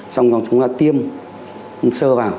xong rồi chúng ta tiêm sơ vào